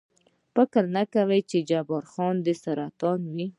فکر نه کوم، چې جبار خان دې سرطان و.